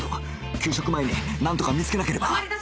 給食前になんとか見つけなければ！